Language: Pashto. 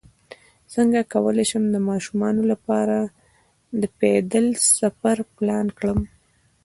څنګه کولی شم د ماشومانو لپاره د پیدل سفر پلان کړم